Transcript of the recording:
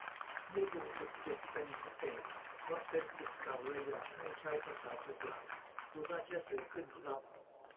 นี่ดูจุกจิกเป็นพิเศษ เพราะเป็นศิษย์เก่า เลยอยากให้ใช้ภาษาถูกหลัก ดูน่าเชื่อถือขึ้นครับ